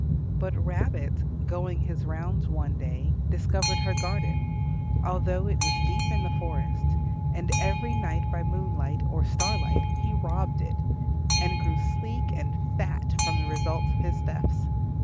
But Rabbit, going his rounds one day, discovered her garden, although it was deep in the forest, and every night by moonlight or starlight he robbed it, and grew sleek and fat from the results of his thefts.